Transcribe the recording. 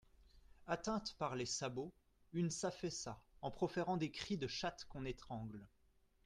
Atteinte par les sabots, une s'affaissa en proférant des cris de chatte qu'on étrangle.